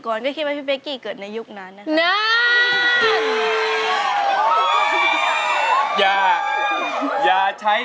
กระแซะเข้ามาสิ